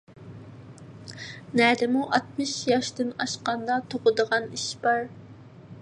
نەدىمۇ ئاتمىش ياشتىن ئاشقاندا تۇغىدىغان ئىش بار؟